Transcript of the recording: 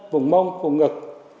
vùng mông vùng ngực